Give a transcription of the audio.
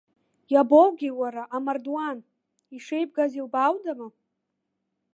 Иабоугеи уара, амардуан, ишеибгаз илбааудама?